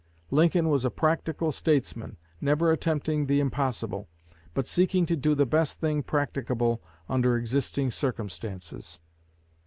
Lincoln was a practical statesman, never attempting the impossible, but seeking to do the best thing practicable under existing circumstances.